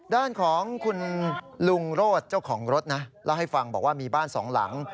ด้านของคุณลุงโรธเจ้าของรถนะเล่าให้ฟังบอกว่ามีบ้านสองหลัง